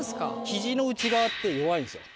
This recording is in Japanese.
肘の内側って弱いんですよ。